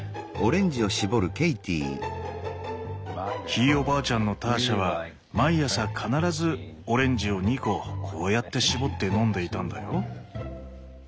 ひいおばあちゃんのターシャは毎朝必ずオレンジを２個こうやって搾って飲んでいたんだよ。